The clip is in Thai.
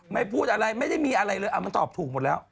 พูดอะไรไม่ได้มีอะไรเลยมันตอบถูกหมดแล้ว